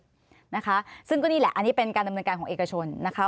นะคะซึ่งก็นี่แหละอันนี้เป็นการดำเนินการของเอกชนนะคะ